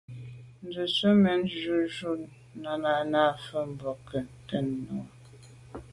Ndzwə́ zə̄ mɛ̂n shûn Náná ná’ fáŋ bwɔ́ŋkə̂Ɂ tɛ̌n vwá’.